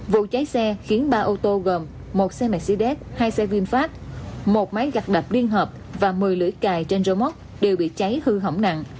vụ cháy xe khiến ba ô tô gồm một xe mercedes hai xe vinfast một máy gặt đập liên hợp và một mươi lưỡi cài trên rơ móc đều bị cháy hư hỏng nặng